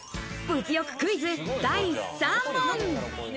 物欲クイズ第３問。